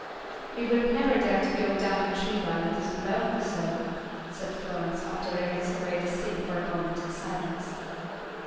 "We would never dare to go down the tree while it is blowing so," said Florence, after they had surveyed the scene for a moment in silence.